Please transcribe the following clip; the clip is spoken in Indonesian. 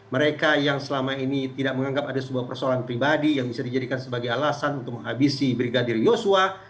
mereka yang selama ini tidak menganggap ada sebuah persoalan pribadi yang bisa dijadikan sebagai alasan untuk menghabisi brigadir yosua